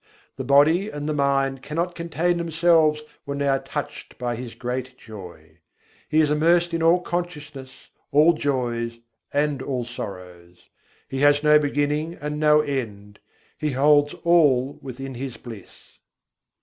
The body and the mind cannot contain themselves, when they are touched by His great joy. He is immersed in all consciousness, all joys, and all sorrows; He has no beginning and no end; He holds all within His bliss.